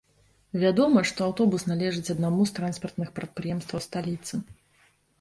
Вядома, што аўтобус належыць аднаму з транспартных прадпрыемстваў сталіцы.